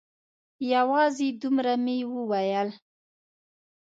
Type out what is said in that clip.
یوازې دومره مې وویل.